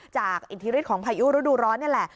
อิทธิฤทธิของพายุฤดูร้อนนี่แหละ